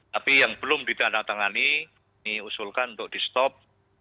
tapi yang belum ditandatangani ini usulkan untuk di stop